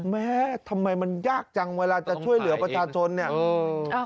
แม่ทำไมมันยากจังเวลาจะช่วยเหลือประชาชนเนี่ย